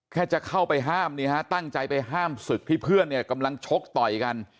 แค่จะเข้าไปห้ามนี่ฮะตั้งใจไปห้ามศึกที่เพื่อนเนี่ยกำลังชกต่อยกัน